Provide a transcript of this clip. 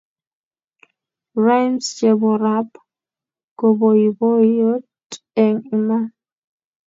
rhymes chepo rap kopoipoito eng iman